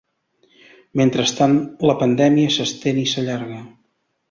Mentrestant, la pandèmia s’estén i s’allarga.